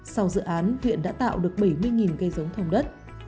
sau dự án huyện đã tạo được bảy mươi cây giống thùng đất